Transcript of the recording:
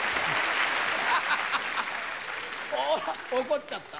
・怒っちゃった・